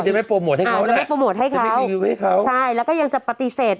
ไม่โปรโมทให้เขาจะไม่โปรโมทให้เขารีวิวให้เขาใช่แล้วก็ยังจะปฏิเสธ